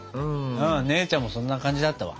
姉ちゃんもそんな感じだったわ。